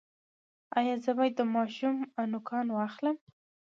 ایا زه باید د ماشوم نوکان واخلم؟